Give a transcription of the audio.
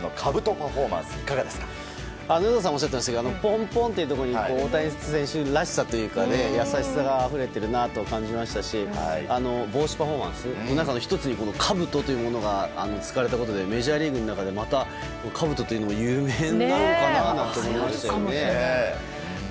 パフォーマンス有働さんもおっしゃってましたがぽんぽんというところに大谷選手らしさというか優しさがあふれているなと感じましたし帽子パフォーマンスの１つにこのかぶとというものが使われたことでメジャーリーグの中でまた、かぶとが有名になるのかなと思いました。